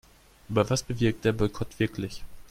Aber was bewirkt der Boykott wirklich?